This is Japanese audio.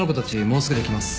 もうすぐで来ます。